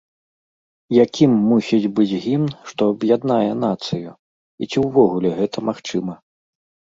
Якім мусіць быць гімн, што аб'яднае нацыю, і ці ўвогуле гэта магчыма?